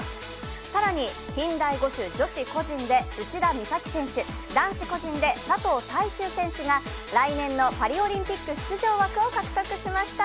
更に近代五種女子個人で内田美咲選手、男子個人で佐藤大宗選手が来年のパリオリンピック出場枠を獲得しました。